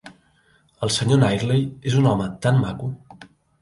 El sr. Knightley és un home tan maco!